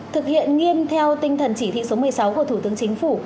thực hiện nghiêm theo tinh thần chỉ thị số một mươi sáu của thủ tướng chính phủ